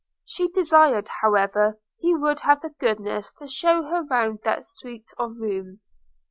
She desired, however, he would have the goodness to shew her round that suit of rooms.